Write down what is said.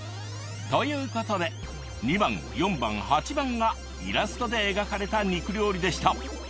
ということで２番４番８番がイラストで描かれた肉料理でした。